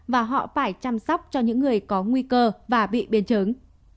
và họ phải chăm sóc cho những người có nguy cơ và bị biến chứng